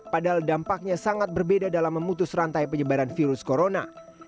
padahal dampaknya sangat berbeda dalam memutus rantai penyebaran virus corona